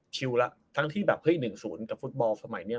คิวแล้วทั้งที่แบบ๑๐กับฟุตบอลสมัยเนี่ย